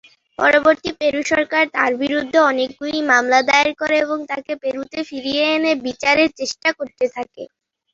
পরবর্তী পেরু সরকার তার বিরুদ্ধে অনেকগুলি মামলা দায়ের করে এবং তাকে পেরুতে ফিরিয়ে এনে বিচারের চেষ্টা করতে থাকে।